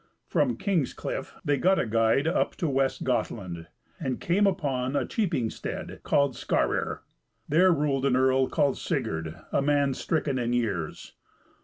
From King's Cliff they got a guide up to West Gothland, and came upon a cheaping stead, called Skarir: there ruled an earl called Sigurd, a man stricken in years.